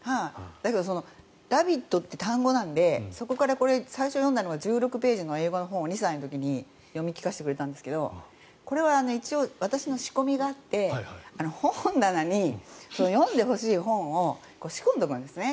だけどラビットって単語なのでそこから、最初これを読んだのが１６ページの英語の本を２歳の時に読み聞かせてくれたんですけどこれは一応、私の仕込みがあって本棚に読んでほしい本を仕込んでおくんですね。